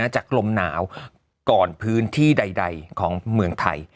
จากลมหนาวก่อนพื้นที่ใดของเมืองไทย